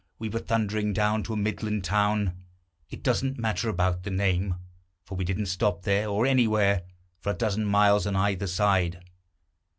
We were thundering down to a midland town, It doesn't matter about the name, For we didn't stop there, or anywhere For a dozen miles on either side.